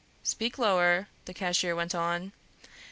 "Speak lower," the cashier went on.